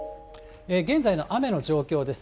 現在の雨の状況です。